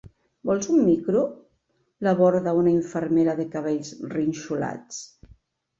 Vols un micro? —l'aborda una infermera de cabells rinxolats.